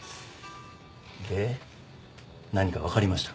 で何かわかりましたか？